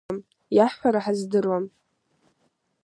Иаҳҳәара ҳаздыруам.